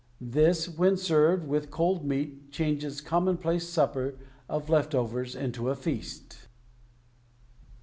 This, when served with cold meat, changes a common place supper of left overs into a feast.